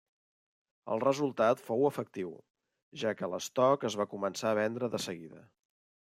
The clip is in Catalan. El resultat fou efectiu, ja que l'estoc es va començar a vendre de seguida.